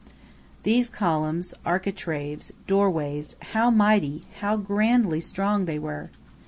These columns, architraves, doorways, how mighty, how grandly strong they were!